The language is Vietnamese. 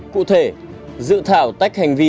cụ thể dự thảo tách hành vi